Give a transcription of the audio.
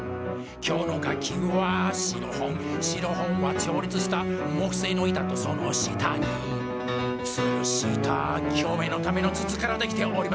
今日の楽器はシロフォンシロフォンは調律した木製の板とその下につるした共鳴のための筒から出来ております